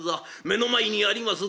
目の前にあります